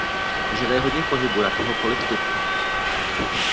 Vyžaduje hodně pohybu jakéhokoliv typu.